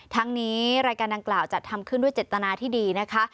ทั้งนี้รายการดังกล่าวจัดทำขึ้นด้วยเจตนาที่ดีนะคะ